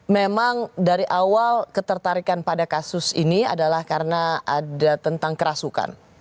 memang dari awal ketertarikan pada kasus ini adalah karena ada tentang kerasukan